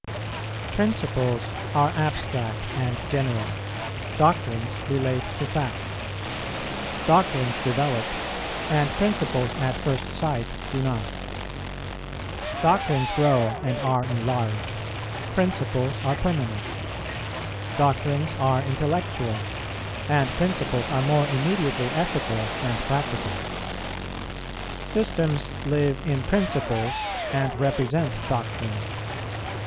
Principles are abstract and general, doctrines relate to facts; doctrines develope, and principles at first sight do not; doctrines grow and are enlarged, principles are permanent; doctrines are intellectual, and principles are more immediately ethical and practical. Systems live in principles and represent doctrines.